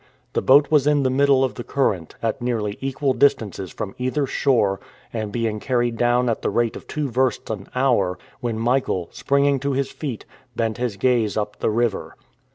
The boat was in the middle of the current, at nearly equal distances from either shore, and being carried down at the rate of two versts an hour, when Michael, springing to his feet, bent his gaze up the river.